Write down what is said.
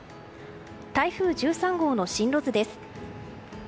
台風１３号の進路図です。